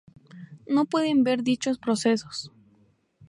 No puedan ver dichos procesos.